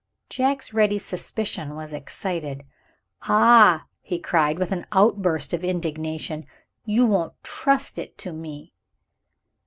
Jack's ready suspicion was excited. "Ah," he cried, with an outburst of indignation, "you won't trust it to me!"